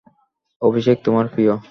অভিষেক তোমার প্রিয়?